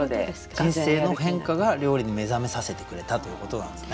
人生の変化が料理に目覚めさせてくれたということなんですね。